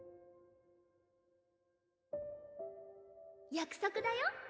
約束だよ